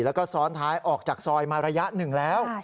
แล้วก็ซ้อนท้ายออกจากซอยมาระยะหนึ่งแล้ว